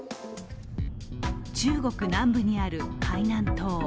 中国南部にある海南島。